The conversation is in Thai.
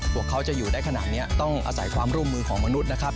พวกเขาจะอยู่ได้ขนาดนี้ต้องอาศัยความร่วมมือของมนุษย์นะครับ